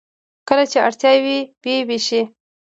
کله چې اړتیا وي و یې ویشي.